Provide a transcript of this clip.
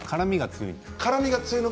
辛みが強いの？